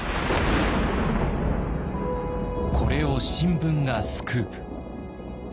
これを新聞がスクープ。